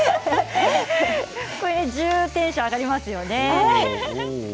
テンションが上がりますよね。